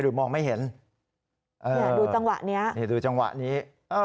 มองไม่เห็นเนี่ยดูจังหวะนี้นี่ดูจังหวะนี้เออ